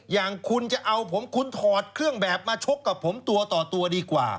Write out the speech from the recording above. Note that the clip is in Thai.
อย่างคุณจะเอาผมคุณถอดเครื่องแบบมาชกกับผมตัวต่อตัวดีกว่า